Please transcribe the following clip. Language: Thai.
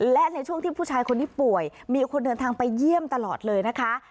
และในช่วงที่ผู้ชายคนนี้ป่วยมีคนเดินทางไปเยี่ยมตลอดเลยนะคะ